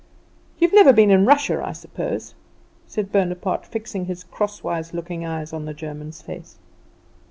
You've never been in Russia, I suppose?" said Bonaparte, fixing his crosswise looking eyes on the German's face.